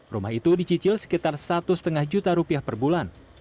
rumah itu dicicil sekitar satu lima juta rupiah per bulan